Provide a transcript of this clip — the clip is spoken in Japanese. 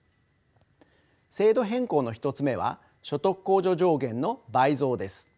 制度変更の１つ目は「所得控除上限の倍増」です。